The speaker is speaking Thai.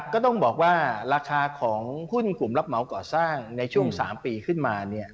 ก็ต้องบอกว่าราคาของหุ้นกลุ่มรับเหมาก่อสร้างในช่วง๓ปีขึ้นมา